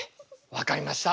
分かりました。